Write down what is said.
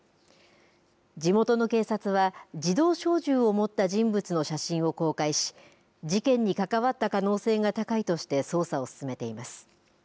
地元の警察は自動小銃を持った人物の写真を公開し事件に関わった可能性が高いとして捜査を進めています。